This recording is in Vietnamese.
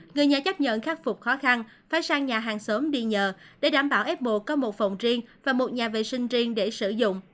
người nhà chấp nhận khắc phục khó khăn phải sang nhà hàng sớm đi nhờ để đảm bảo apple có một phòng riêng và một nhà vệ sinh riêng để sử dụng